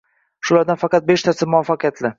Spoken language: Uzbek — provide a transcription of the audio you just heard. shulardan faqat beshtasi muvaffaqiyatli